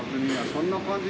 そんな感じ。